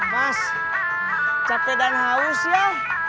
mas capek dan haus ya